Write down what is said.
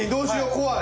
怖い！